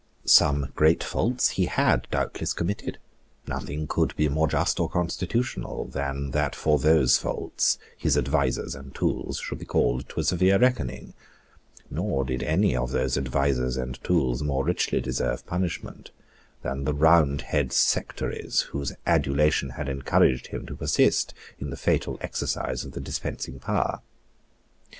Some great faults he had doubtless committed, nothing could be more just or constitutional than that for those faults his advisers and tools should be called to a severe reckoning; nor did any of those advisers and tools more richly deserve punishment than the Roundhead sectaries whose adulation had encouraged him to persist in the fatal exercise of the dispensing power.